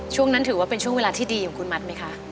ช่วงนั้นถือว่าเป็นช่วงเวลาที่ดีของคุณมัดไหมคะ